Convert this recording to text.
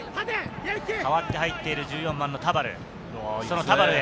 代わって入っている１４番の田原。